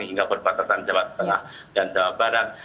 hingga perbatasan jawa tengah dan jawa barat